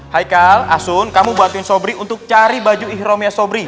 haikal asun kamu buatin sobri untuk cari baju ihromenya sobri